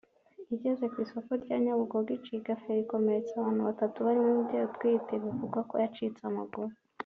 igeze ku isoko rya Nyabugogo icika feri ikomeretsa abantu batatu barimo umubyeyi utwite bivugwa ko yacitse amaguru